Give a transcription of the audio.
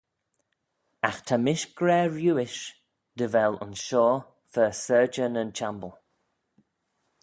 Agh ta mish gra riuish, dy vel ayns shoh fer syrjey na'n chiamble.